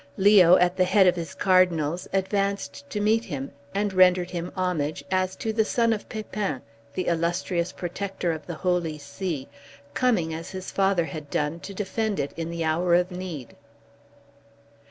Leo, at the head of his Cardinals, advanced to meet him, and rendered him homage, as to the son of Pepin, the illustrious protector of the Holy See, coming, as his father had done, to defend it in the hour of need.